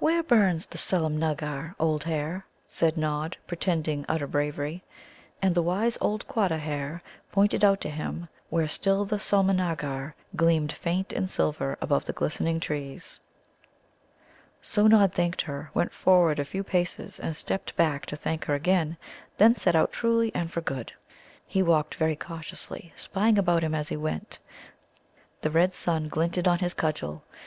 "Where burns the Sulemnāgar, old hare?" said Nod, pretending utter bravery. And the wise old Quatta hare pointed out to him where still the Sulemnāgar gleamed faint and silver above the glistening trees. So Nod thanked her, went forward a few paces, and stepped back to thank her again; then set out truly and for good. He walked very cautiously, spying about him as he went. The red sun glinted on his cudgel.